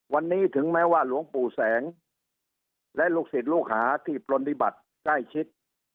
วันนี้ถึงแม้ว่าหลวงปู่แสงและลูกศิษย์ลูกหาที่ปลนิบัติใกล้ชิด